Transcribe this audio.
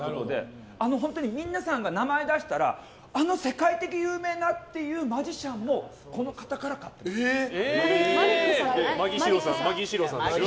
本当に皆さんが名前を出したらあの世界的に有名なっていうマジシャンもマリックさん。